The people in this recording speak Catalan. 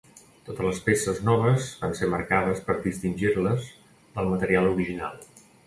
Totes les peces noves van ser marcades per distingir-les del material original.